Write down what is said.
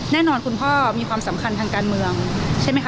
แน่นอนคุณพ่อมีความสำคัญทางการเมืองใช่ไหมคะ